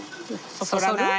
そそらない。